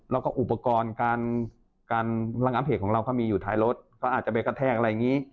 แล้วก็อุปกรณ์การระงับเหตุของเราเขามีอยู่ท้ายรถเขาอาจจะไปกระแทกอะไรอย่างนี้